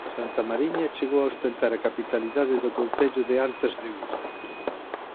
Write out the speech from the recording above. Santa Mariña chegou a ostentar a capitalidade do concello de Antas de Ulla.